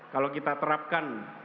kalau kita terapkan